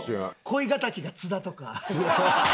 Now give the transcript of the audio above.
恋敵が津田とか。